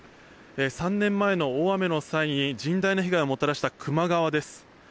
３年前の大雨の際に甚大な被害をもたらした球磨川です。